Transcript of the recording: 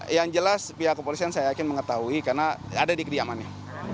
yang jelas pihak kepolisian saya yakin mengetahui karena ada di kediamannya